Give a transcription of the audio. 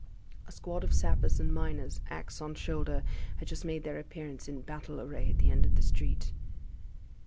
A squad of sappers and miners, axe on shoulder, had just made their appearance in battle array at the end of the street.